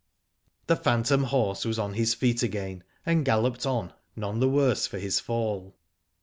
The phantom horse was on his feet again, and galloped on none the worse for his fall.